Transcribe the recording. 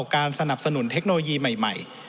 การสนับสนุนเทคโนโลยีใหม่